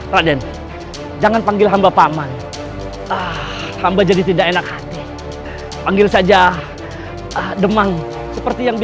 raden jangan panggil hamba paman ah hamba jadi jendela yang berpengaruh di sini